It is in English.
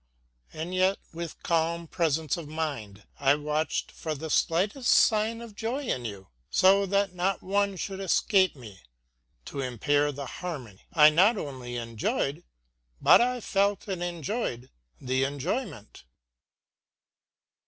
And yet with calm presence of mind I watched for the slightest sign of joy in you, so that not one should escape me to impair the harmony. I not only enjoyed, but I felt and enjoyed the enjoyment.